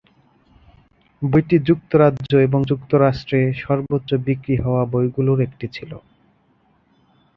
বইটি যুক্তরাজ্য এবং যুক্তরাষ্ট্রে সর্বোচ্চ বিক্রি হওয়া বইগুলোর একটি ছিল।